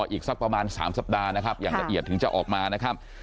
อีกสักประมาณ๓สัปดาห์นะครับอย่างละเอียดถึงจะออกมานะครับ